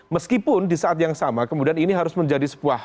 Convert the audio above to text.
meskipun di saat yang sama kemudian ini harus menjadi sebuah